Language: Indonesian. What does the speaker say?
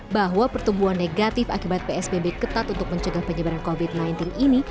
bahwa pertumbuhan negatif akibat psbb ketat untuk mencegah penyebaran covid sembilan belas ini